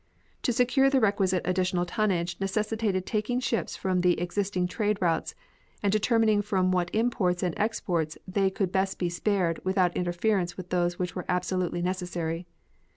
To secure the requisite additional tonnage necessitated taking ships from the existing trade routes and determining from what imports and exports they could best be spared without interference with those which were absolutely necessary.